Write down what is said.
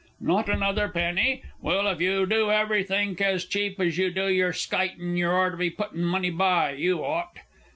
"Not another penny?" Well, if you do everythink as cheap as you do yer skiting, you orter be puttin' money by, you ought!